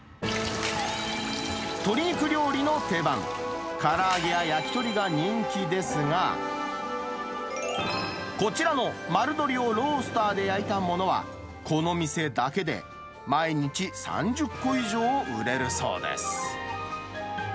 鶏肉料理の定番、から揚げや焼き鳥が人気ですが、こちらの丸鶏をロースターで焼いたものは、この店だけで毎日３０個以上売れるそうです。